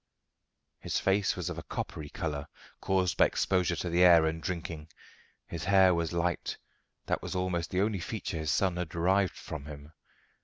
His face was of a coppery colour, caused by exposure to the air and drinking. His hair was light: that was almost the only feature his son had derived from him.